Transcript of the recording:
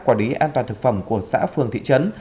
quản lý an toàn thực phẩm của xã phường thị trấn